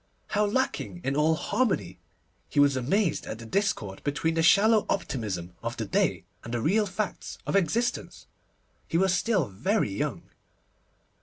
How lacking in all harmony! He was amazed at the discord between the shallow optimism of the day, and the real facts of existence. He was still very young.